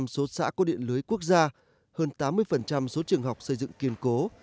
một trăm linh số xã có điện lưới quốc gia hơn tám mươi số trường học xây dựng kiên cố